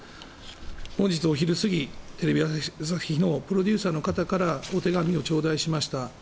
本日のお昼過ぎ、テレビ朝日のプロデューサーの方からお手紙をちょうだいしました。